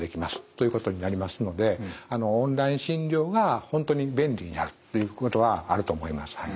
ということになりますのでオンライン診療が本当に便利になるということはあると思います。